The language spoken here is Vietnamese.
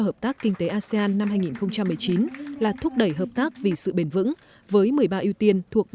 hợp tác kinh tế asean năm hai nghìn một mươi chín là thúc đẩy hợp tác vì sự bền vững với một mươi ba ưu tiên thuộc